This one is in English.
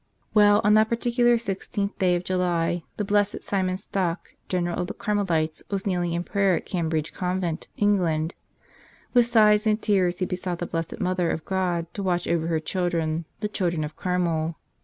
Well, on that particular sixteenth day of July the Blessed Simon Stock, General of the Carmelites, was kneeling in prayer at Cambridge Convent, England. With sighs and tears he besought the Blessed Mother of God to watch over her children, the children of Carmel.